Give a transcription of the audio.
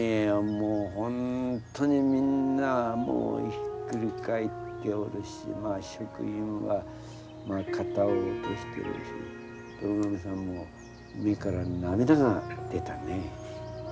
もう本当にみんなひっくり返っておるし職員は肩を落としているしどろ亀さんも目から涙が出たねえ。